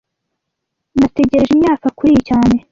Nategereje imyaka kuriyi cyane